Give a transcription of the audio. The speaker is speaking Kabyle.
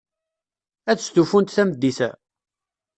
Ad stufunt tameddit-a?